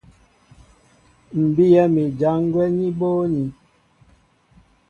M̀ bíyɛ́ mi ján gwɛ́ ní bóónī.